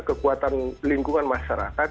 kekuatan lingkungan masyarakat